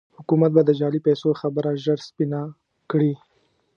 حکومت به د جعلي پيسو خبره ژر سپينه کړي.